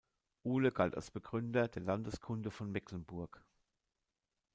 Ule gilt als Begründer der Landeskunde von Mecklenburg.